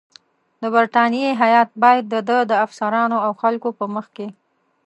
د برټانیې هیات باید د ده د افسرانو او خلکو په مخ کې.